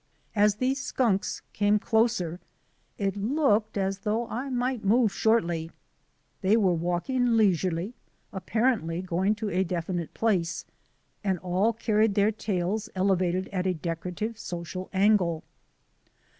As these skunks came closer it looked as though I might move shortly. They were walking leisurely, apparently going to a definite place, and all carried their tails elevated at a decorative social angle.